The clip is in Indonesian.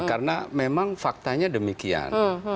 karena memang faktanya demikian